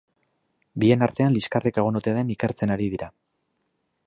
Bien artean liskarrik egon ote den ikertzen ari dira.